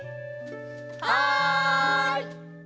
はい！